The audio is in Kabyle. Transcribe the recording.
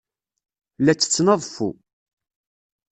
La ttetten aḍeffu.